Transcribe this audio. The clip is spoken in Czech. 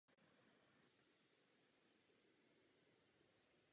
Do semifinále se probojovali čtyři nejvýše nasazení.